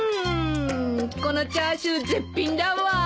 このチャーシュー絶品だわ！